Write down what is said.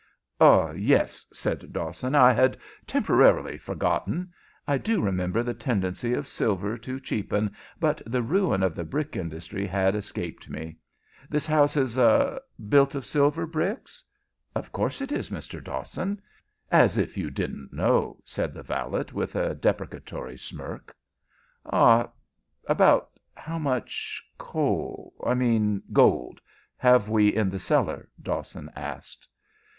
"Ah, yes," said Dawson. "I had temporarily forgotten. I do remember the tendency of silver to cheapen, but the ruin of the brick industry has escaped me. This house is ah built of silver bricks?" "Of course it is, Mr. Dawson. As if you didn't know!" said the valet, with a deprecatory smirk. "Ah about how much coal I mean gold have we in the cellar?" Dawson asked.